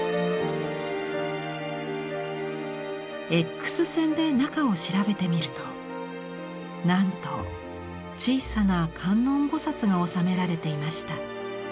Ｘ線で中を調べてみるとなんと小さな観音菩が納められていました。